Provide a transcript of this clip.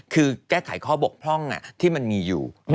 คือแก้ไขข้อบกพร่องที่มันมีอยู่